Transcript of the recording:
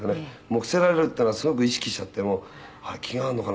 伏せられるっていうのはすごく意識しちゃってもうあれ気があるのかな